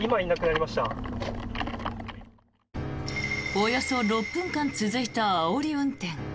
およそ６分間続いたあおり運転。